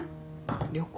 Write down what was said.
旅行。